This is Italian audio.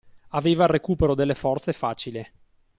Aveva il recupero delle forze facile!